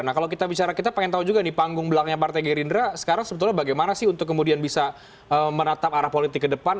nah kalau kita bicara kita pengen tahu juga nih panggung belakangnya partai gerindra sekarang sebetulnya bagaimana sih untuk kemudian bisa menatap arah politik ke depan